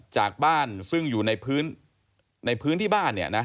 จากบ้านซึ่งอยู่ในพื้นที่บ้านเนี่ยนะ